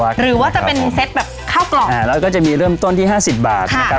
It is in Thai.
หรือว่าจะเป็นเซตแบบข้าวกล่องอ่าแล้วก็จะมีเริ่มต้นที่ห้าสิบบาทนะครับ